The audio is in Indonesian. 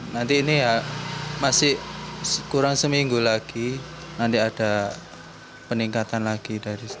nanti ini ya masih kurang seminggu lagi nanti ada peningkatan lagi